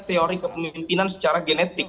teori kepemimpinan secara genetik